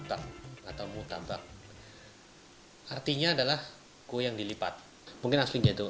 aslinya adalah murtabak atau mutabak artinya adalah kue yang dilipat mungkin aslinya itu